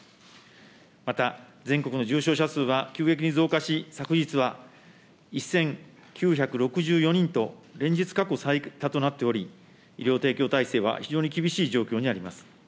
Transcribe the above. また、全国の重症者数は急激に増加し、昨日は１９６４人と、連日、過去最多となっており、医療提供体制は非常に厳しい状況にあります。